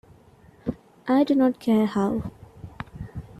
I do not care how.